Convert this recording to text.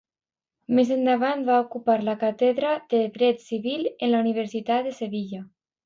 Més endavant va ocupar la Càtedra de Dret Civil en la Universitat de Sevilla.